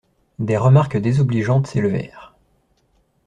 Des remarques désobligeantes s'élevèrent.